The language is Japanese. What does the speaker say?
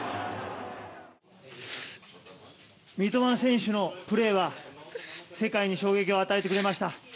三笘選手のプレーは世界に衝撃を与えてくれました。